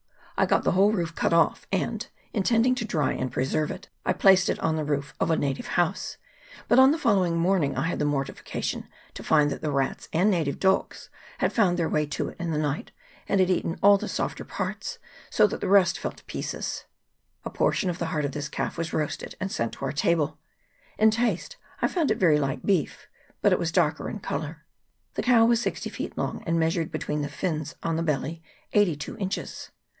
I got the whole roof cut off, and, intending to dry and preserve it, I placed it on the roof of a native house ; but on the following morning I had the mortification to find that the rats and native dogs had found their way to it in the night, and had eaten all the softer parts, so that the rest fell to pieces A portion of the heart of this calf was roasted and sent to our table. In taste I found it very like beef, but it was darker in colour. The cow was sixty feet long, and measured between the fins on the belly eighty two inches.